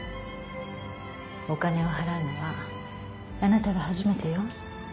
お金を払うのはあなたが初めてよ。